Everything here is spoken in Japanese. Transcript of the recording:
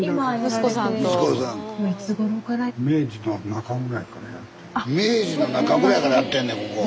スタジオ明治の中ぐらいからやってんねんここ！